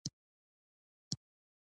زه نه ګلاب پېژنم نه غلام جان.